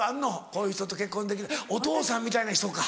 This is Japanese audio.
こういう人と結婚できるお父さんみたいな人か？